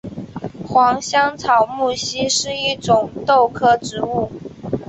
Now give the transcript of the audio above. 黄香草木樨是一种豆科植物。